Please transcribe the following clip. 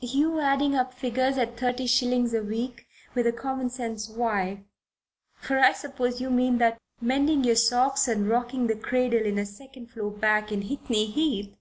You adding up figures at thirty shillings a week, with a common sense wife for I suppose you mean that mending your socks and rocking the cradle in a second floor back in Hickney Heath!